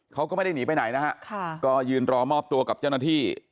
เขาก็ไม่ได้หนีไปไหนนะฮะก็ยืนรอมอบตัวกับเจ้าหน้าที่